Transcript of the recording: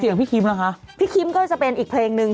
เสียงพี่คิมละคะพี่คิมก็จะเป็นอีกเพลงนึง